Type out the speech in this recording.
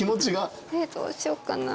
どうしよっかな。